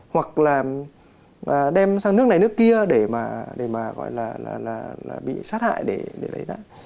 hoặc là đem sang nước này nước kia để mà bị sát hại để lấy tác